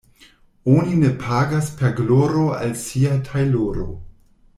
Oni ne pagas per gloro al sia tajloro.